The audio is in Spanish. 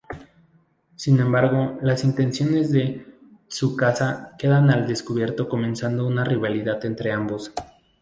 Sin embargo las intenciones de Tsukasa quedan al descubierto comenzando una rivalidad entre ambos.